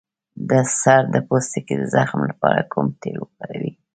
د سر د پوستکي د زخم لپاره کوم تېل وکاروم؟